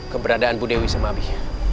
keberadaan bu dewi sama abi